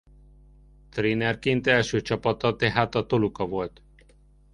Trénerként első csapata tehát a Toluca volt.